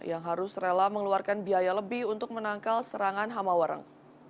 yang harus rela mengeluarkan biaya lebih untuk menangkal serangan hama warang